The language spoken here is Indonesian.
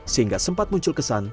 sehingga sempat muncul kesan